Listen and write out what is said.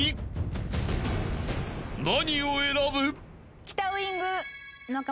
［何を選ぶ？］